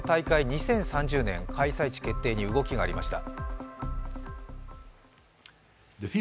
２０３０年、開催地決定に動きがありました。